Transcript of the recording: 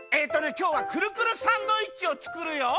きょうはくるくるサンドイッチをつくるよ。